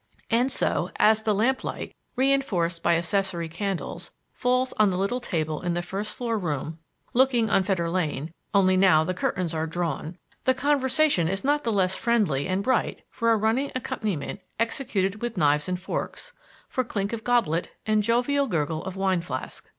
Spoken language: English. And so, as the lamplight, reinforced by accessory candles, falls on the little table in the first floor room looking on Fetter Lane only now the curtains are drawn the conversation is not the less friendly and bright for a running accompaniment executed with knives and forks, for clink of goblet, and jovial gurgle of wine flask.